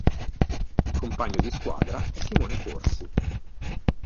Il compagno di squadra è Simone Corsi.